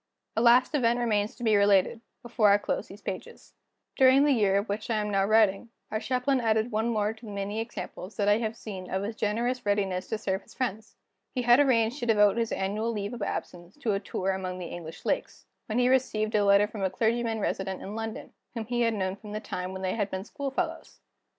A last event remains to be related, before I close these pages. During the year of which I am now writing, our Chaplain added one more to the many examples that I have seen of his generous readiness to serve his friends. He had arranged to devote his annual leave of absence to a tour among the English Lakes, when he received a letter from a clergyman resident in London, whom he had known from the time when they had been school fellows.